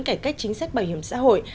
cải cách chính sách bảo hiểm xã hội